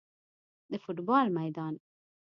د فوټبال میدان